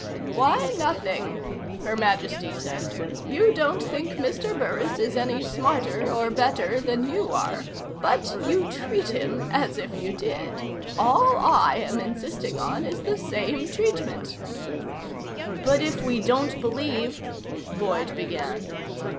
"Why, nothing," Her Majesty said. "You don't think Mr. Burris is any smarter or better than you are but you treat him as if you did. All I am insisting on is the same treatment." "But if we don't believe " Boyd began.